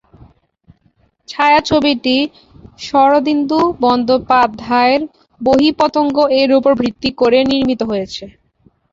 ছায়াছবিটি শরদিন্দু বন্দ্যোপাধ্যায়ের "বহ্নি-পতঙ্গ"-এর উপর ভিত্তি করে নির্মিত হয়েছে।